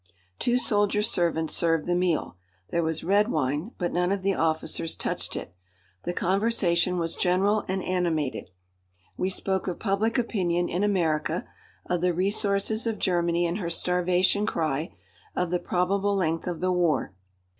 Two soldier servants served the meal. There was red wine, but none of the officers touched it. The conversation was general and animated. We spoke of public opinion in America, of the resources of Germany and her starvation cry, of the probable length of the war.